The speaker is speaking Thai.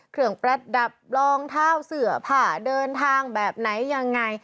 เครื่องประดับรองเท้าเสือผ่าเดินทางแบบไหนยังไง